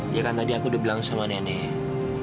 ya kan tadi aku udah bilang sama nenek